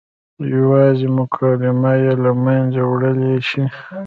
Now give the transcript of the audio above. یوازې مکالمه یې له منځه وړلی شي.